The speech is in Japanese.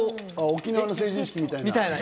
沖縄の成人式みたいな。